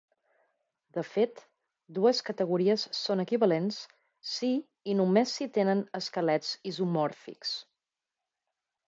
De fet, dues categories són equivalents si i només si tenen esquelets isomòrfics.